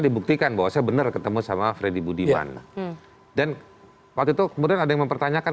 dibuktikan bahwa saya benar ketemu sama freddy budiman dan waktu itu kemudian ada yang mempertanyakan